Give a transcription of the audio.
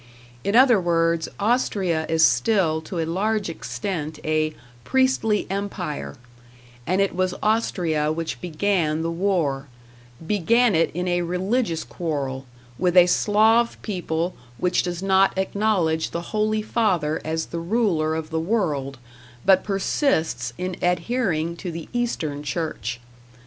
In other words, Austria is still to a large extent a "Priestly Empire;" and it was Austria which began the war began it in a religious quarrel, with a Slav people which does not acknowledge the Holy Father as the ruler of the world, but persists in adhering to the Eastern Church.